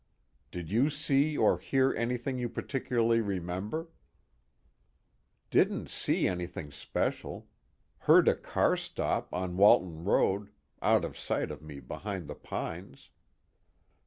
"Did you see or hear anything you particularly remember?" "Didn't see anything special. Heard a car stop, on Walton Road, out of sight of me behind the pines."